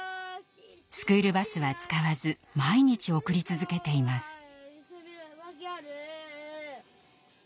スクールバスは使わず毎日送り続けています。